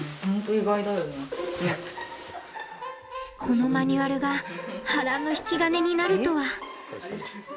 このマニュアルが波乱の引き金になるとは。